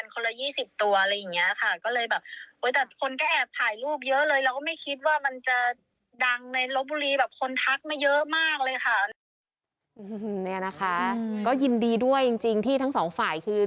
นี่นะคะก็ยินดีด้วยจริงที่ทั้งสองฝ่ายคือ